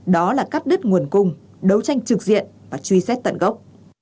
đó là cắt đứt nguồn cung đấu tranh trực diện và truy xét tận gốc